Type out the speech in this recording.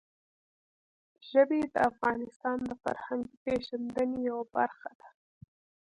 ژبې د افغانانو د فرهنګي پیژندنې یوه برخه ده.